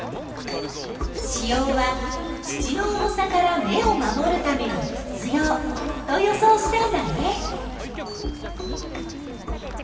子葉は土の重さから芽を守るために必要と予想したんだね。